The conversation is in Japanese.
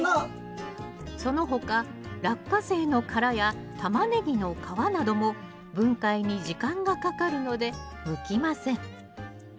その他ラッカセイの殻やタマネギの皮なども分解に時間がかかるので向きません